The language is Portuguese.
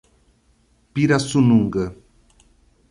Pirassununga